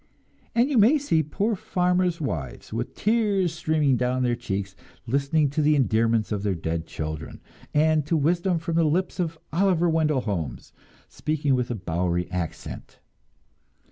And you may see poor farmers' wives, with tears streaming down their cheeks, listening to the endearments of their dead children, and to wisdom from the lips of Oliver Wendell Holmes speaking with a Bowery accent.